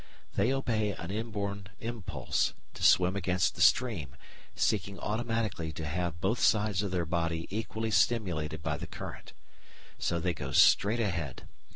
They obey an inborn impulse to swim against the stream, seeking automatically to have both sides of their body equally stimulated by the current. So they go straight ahead.